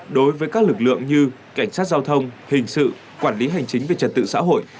đối với các lực lượng như cảnh sát giao thông hình sự quản lý hành chính về trật tự xã hội